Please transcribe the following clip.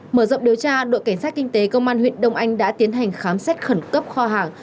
mở rộng điều tra đội cảnh sát kinh tế công an huyện đông anh đã tiến hành khám xét khẩn cấp kho hàng